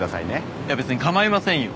いや別にかまいませんよ